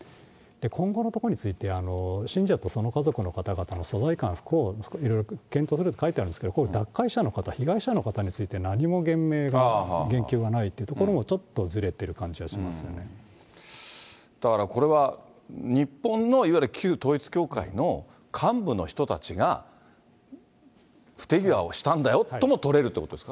今後のところについて、信者とその家族の方々の疎外感とか不幸を検討するって書いてあるんですけど、これ、脱会者の方、被害者の方について何も言明が、言及がないというところも、ちょだからこれは、日本のいわゆる旧統一教会の幹部の人たちが、不手際をしたんだよというふうにも取れるということですか。